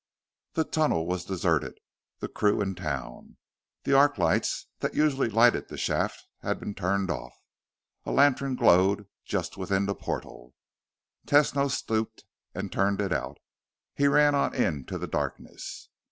The tunnel was deserted, the crew in town. The arc lights that usually lighted the shaft had been turned off. A lantern glowed just within the portal; Tesno stooped and turned it out. He ran on into the darkness.